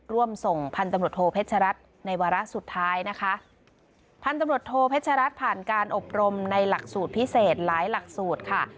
ร่วมส่งพันธุ์ตำรวจโทเพชรัตน์ในวาระสุดท้ายนะคะพันธุ์ตำรวจโทเพชรรัฐผ่านการอบรมในหลักสูตรพิเศษหลายหลักสูตรค่ะ